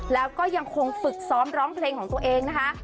แล้วก็ยังคงฝึกซ้อมร้องเพลงของตัวเองนะคะ